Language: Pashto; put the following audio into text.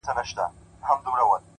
ښه نیت نیمه نیکي ده!